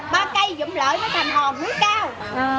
ba cây dụng lợi nó thành hồn núi cao